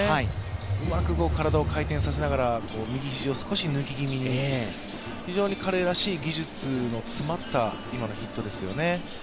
うまく体を回転させながら、右肘を少し抜き気味に、非常に彼らしい技術の詰まった今のヒットですよね。